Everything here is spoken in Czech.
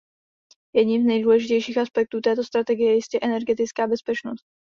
Jedním z nejdůležitějších aspektů této strategie je jistě energetická bezpečnost.